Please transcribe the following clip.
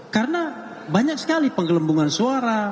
karena banyak sekali penggelembungan suara